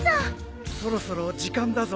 そろそろ時間だぞ。